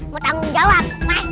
mau tanggung jawab